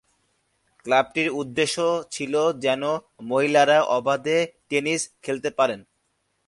ক্লাবটির উদ্দেশ্য ছিলো যেন মহিলারা অবাধে টেনিস খেলতে পারেন।